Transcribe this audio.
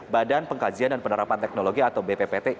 badan pengkajian dan penerapan teknologi atau bppt